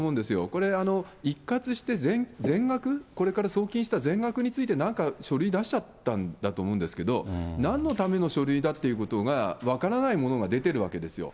これ、一括して全額、これから送金した全額について、なんか書類出しちゃったと思うんですけれども、なんのための書類だっていうことが分からないものが出てるわけですよ。